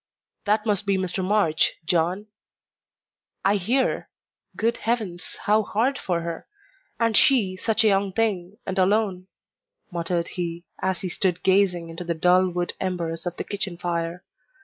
"That must be Mr. March, John." "I hear. Good heavens! how hard for her. And she such a young thing, and alone," muttered he, as he stood gazing into the dull wood embers of the kitchen fire.